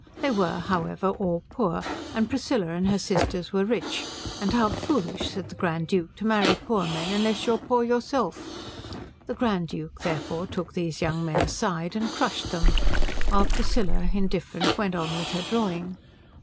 They were however all poor, and Priscilla and her sisters were rich; and how foolish, said the Grand Duke, to marry poor men unless you are poor yourself. The Grand Duke, therefore, took these young men aside and crushed them, while Priscilla, indifferent, went on with her drawing.